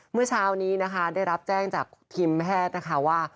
เมื่อเช้านี้นะคะได้รับแจ้งจากทีมแพทย์นะคะว่า